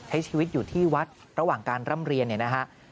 ใช้ชีวิตอยู่ที่วัดระหว่างการร่ำเรียนเนี่ยนะฮะ